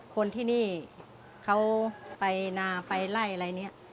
คนที่นี่เขาไปนาไปไล่อะไรเนี่ย